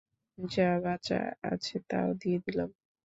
যা বাচা আছে, তাও দিয়ে দিলাম।